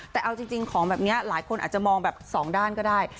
แต่เอาจริงของแบบนี้หลายคนอาจจะมองแบบสองด้านก็ได้